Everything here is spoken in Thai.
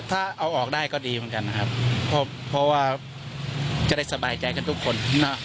ถ้าเอาออกได้ก็ดีเหมือนกันนะครับเพราะว่าจะได้สบายใจกันทุกคน